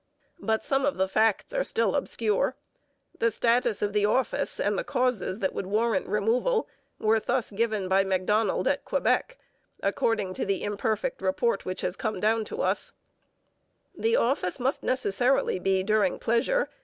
But some of the facts are still obscure. The status of the office and the causes that would warrant removal were thus given by Macdonald at Quebec, according to the imperfect report which has come down to us: The office must necessarily be during pleasure.